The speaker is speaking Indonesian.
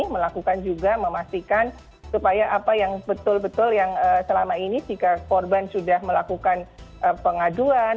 melakukan juga memastikan supaya apa yang betul betul yang selama ini jika korban sudah melakukan pengaduan